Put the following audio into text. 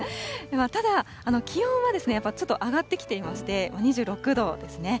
ただ、気温はやっぱりちょっと上がってきていまして、２６度ですね。